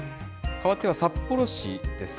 かわっては、札幌市です。